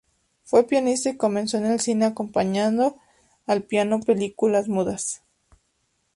Fue pianista y comenzó en el cine acompañando al piano películas mudas.